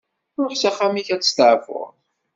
Ruḥ s axxam-ik ad testeɛfuḍ.